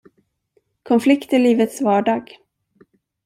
Konflikt är livets vardag.